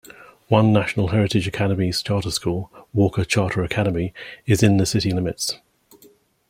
One National Heritage Academies charter school, Walker Charter Academy, is in the city limits.